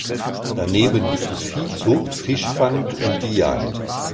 Daneben gibt es Viehzucht, Fischfang und die Jagd.